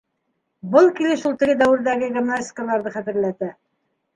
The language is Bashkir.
Был килеш ул теге дәүерҙәге гимназисткаларҙы хәтерләтә.